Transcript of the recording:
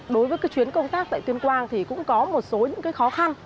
đối với chuyến công tác tại tuyên quang thì cũng có một số những khó khăn